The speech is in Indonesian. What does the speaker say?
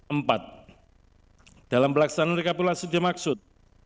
empat dalam pelaksanaan rekapitulasi dimaksud